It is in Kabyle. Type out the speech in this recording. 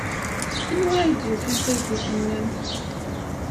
Anwa ay d-yufan taydit-nnem?